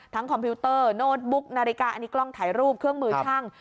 คอมพิวเตอร์โน้ตบุ๊กนาฬิกาอันนี้กล้องถ่ายรูปเครื่องมือช่าง